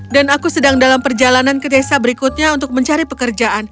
dan aku sedang dalam perjalanan ke desa berikutnya untuk mencari pekerjaan